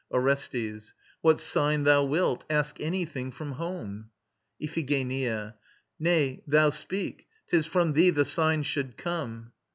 ORESTES. What sign thou wilt. Ask anything from home. IPHIGENIA. Nay, thou speak: 'tis from thee the sign should come.